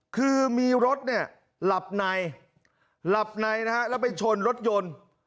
คือมีรถเนี่ยหลับในหลับในนะฮะแล้วไปชนรถยนต์